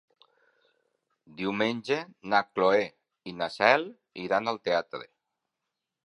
Diumenge na Cloè i na Cel iran al teatre.